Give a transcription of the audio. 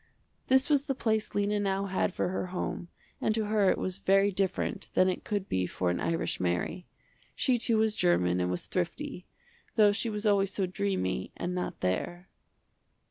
This was the place Lena now had for her home and to her it was very different than it could be for an irish Mary. She too was german and was thrifty, though she was always so dreamy and not there.